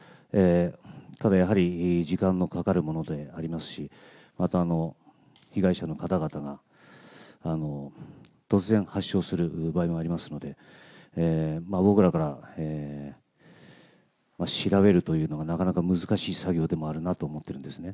ただやはり、時間のかかるものでありますし、また、被害者の方々が突然発症する場合もありますので、僕らから調べるのは、なかなか難しい作業でもあるなと思っているんですね。